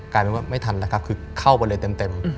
กลายเป็นว่าไม่ทันแล้วครับคือเข้าไปเลยเต็ม